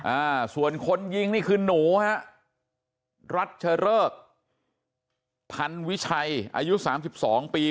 อ่าส่วนคนยิงนี่คือหนูฮะรัชเริกพันวิชัยอายุสามสิบสองปี